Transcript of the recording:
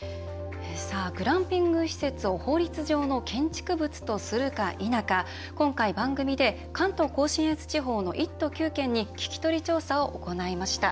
グランピング施設を法律上の建築物とするか否か今回、番組で関東・甲信越地方の１都９県に聞き取り調査を行いました。